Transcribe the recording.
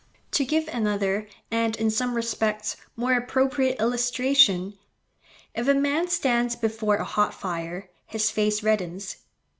To give another, and, in some respects, more appropriate illustration. If a man stands before a hot fire, his face reddens.